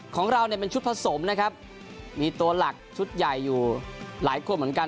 ของเราเนี่ยเป็นชุดผสมนะครับมีตัวหลักชุดใหญ่อยู่หลายคนเหมือนกัน